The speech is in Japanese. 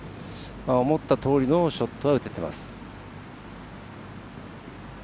思ったとおりのショットが打てています。